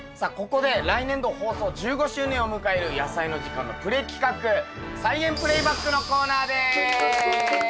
ここで来年度放送１５周年を迎える「やさいの時間」のプレ企画「菜園プレイバック」のコーナーです！